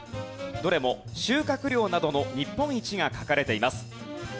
どれも収穫量などの日本一が書かれています。